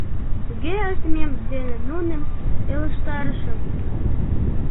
Тыге ыштымем дене нуным ылыжтарышым.